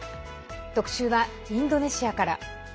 特集はインドネシアから。